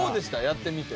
やってみて。